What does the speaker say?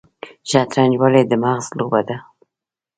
شطرنج ولې د مغز لوبه ده؟